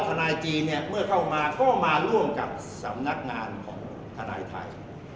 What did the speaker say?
ทนายจีนเนี่ยเมื่อเข้ามาก็มาร่วมกับสำนักงานของทนายไทย